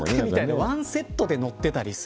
ワンセットで載っていたりする。